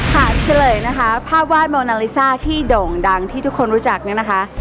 เฉลยนะคะภาพวาดโมนาลิซ่าที่โด่งดังที่ทุกคนรู้จักเนี่ยนะคะ